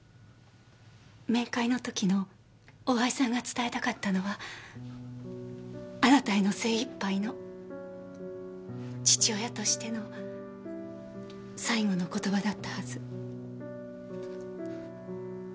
面会の時の大橋さんが伝えたかったのはあなたへの精一杯の父親としての最後の言葉だったはず。